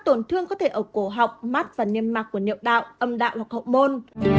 tổn thương có thể ở cổ học mắt và niêm mạc của niệm đạo âm đạo hoặc hậu môn